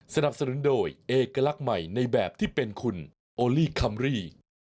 สนับสนุนโดยเอกลักษณ์ใหม่ในแบบที่เป็นคุณโอลี่คัมรี่